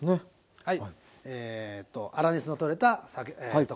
はい。